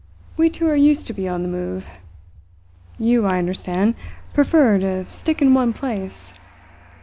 We two are used to be on the move. You, I understand, prefer to stick in one place."